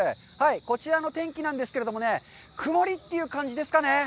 こちらの天気なんですけれどもね、曇りという感じですかね。